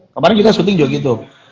kemarin kita syuting juga gitu